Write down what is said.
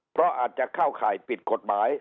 เพราะอาจจะเข้าข่ายผิดกฎหมาย